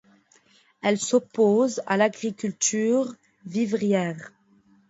Elle s'oppose à l'agriculture vivrière.